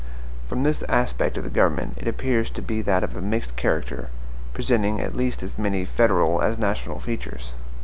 From this aspect of the government it appears to be of a mixed character, presenting at least as many FEDERAL as NATIONAL features.